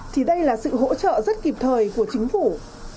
thì đây là sự hỗ trợ rất kịp thời của chính phủ